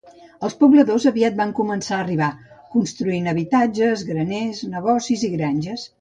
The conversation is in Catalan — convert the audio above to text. Els pobladors aviat van començar a arribar, construint habitatges, graners, negocis i granges.